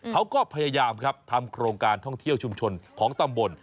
เขาก็พยายามครับทำโครงการท่องเที่ยวชุมชนของตำบล